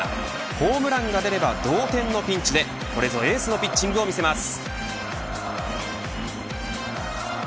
ホームランが出れば同点のピンチでこれぞエースのピッチングを見せます。